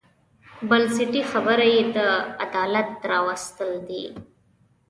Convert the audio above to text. بنسټي خبره یې د عدالت راوستل دي.